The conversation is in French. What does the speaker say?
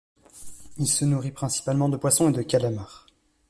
Il se nourrit principalement de poissons et de calamars.